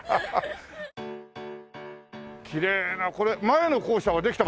きれいなこれ前の校舎はできたばっかし？